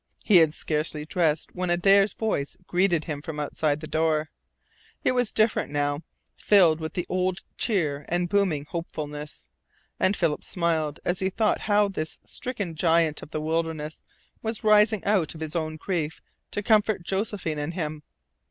He had scarcely dressed when Adare's voice greeted him from outside the door. It was different now filled with the old cheer and booming hopefulness, and Philip smiled as he thought how this stricken giant of the wilderness was rising out of his own grief to comfort Josephine and him.